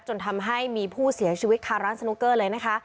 จนทำให้มีผู้เสียชีวิตคาร้านสนุกเกอร์เลยนะคะ